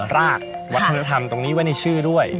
รากวัฒนธรรมตรงนี้ไว้ในชื่อด้วย